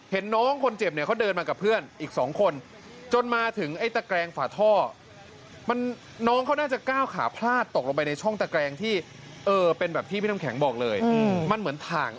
เห็นน้องคนเจ็บเขาเดินมากับเพื่อน